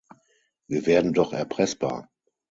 Wir werden doch erpressbar!